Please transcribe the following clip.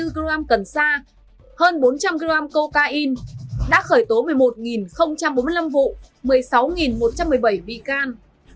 một trăm bảy mươi bốn kg cần sa hơn bốn trăm linh kg cocaine đã khởi tố một mươi một bốn mươi năm vụ một mươi sáu một trăm một mươi bảy bị can